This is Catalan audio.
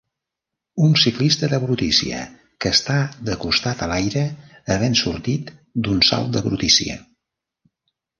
Un ciclista de brutícia que està de costat a l'aire havent sortit d'un salt de brutícia.